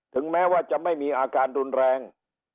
แม้ว่าจะไม่มีอาการรุนแรง